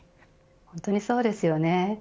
本当にそうですよね。